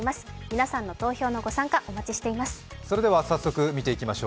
皆さんの投票のご参加、お待ちしています。